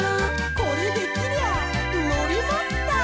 「これできりゃのりマスター」